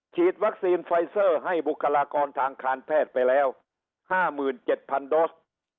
ฉีดวัคซีนไฟเซอร์ให้บุคลากรทางการแพทย์ไปแล้วห้ามื่นเจ็ดพันโดส